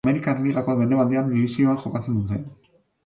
Amerikar Ligako Mendebaldeko Dibisioan jokatzen dute.